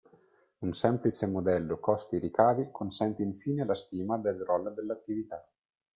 Un semplice modello costi-ricavi consente infine la stima del RoI dell'attività.